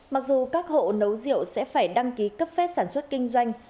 mặc dù các hộ nấu rượu sẽ phải đăng ký cấp phép sản xuất kinh doanh